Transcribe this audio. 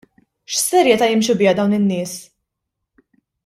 X'serjetà jimxu biha dawn in-nies?!